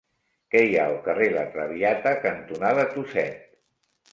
Què hi ha al carrer La Traviata cantonada Tuset?